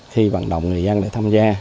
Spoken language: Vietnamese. khi bằng động người dân để tham gia